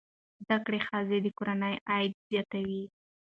زده کړه ښځه د کورنۍ عاید زیاتوي.